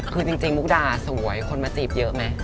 คือจริงมุกดาสวยคนมาจีบเยอะไหม